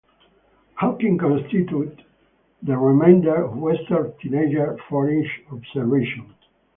Hawking constituted the remainder of western tanager foraging observations.